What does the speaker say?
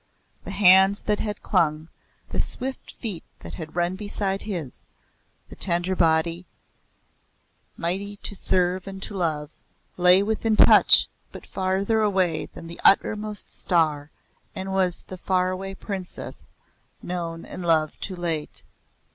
The hands that had clung, the swift feet that had run beside his, the tender body, mighty to serve and to love, lay within touch but farther away than the uttermost star was the Far Away Princess, known and loved too late.